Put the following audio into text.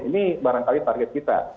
ini barangkali target kita